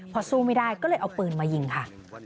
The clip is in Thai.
พอสู้ไม่ได้ก็เลยเอาปืนมายิงค่ะ